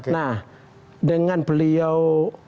nah dengan beliau